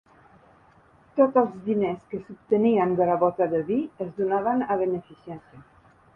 Tots els diners que s'obtenien de la bota de vi es donaven a beneficència.